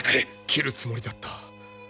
斬るつもりだった。